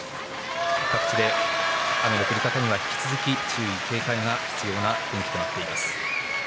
各地で雨の降り方には引き続き注意、警戒が必要な天気となっています。